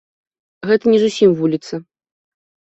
Гэта не зусім вуліца.